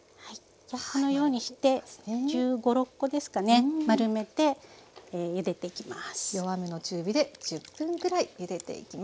このようにして１５１６個ですかね丸めてゆでていきます。